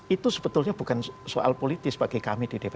itu sebetulnya bukan soal politis bagi kami di dpr